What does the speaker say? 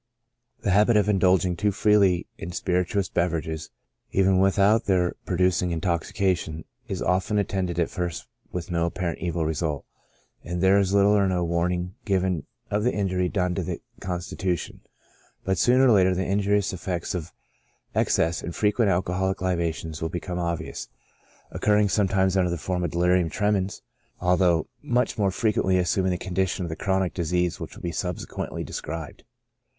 The habit of indulging too freely in spirituous beverages, even without their producing intoxication, is often attended at first with no apparent evil result, and there is little or no warning given of the injury done to the constitution ; but sooner or later, the injurious effects of excessive and frequent alcohoHc libations will become obvious, occurring sometimes under the form of delirium tremens, although much more frequently assuming the condition of the chronic disease which will be subsequently described.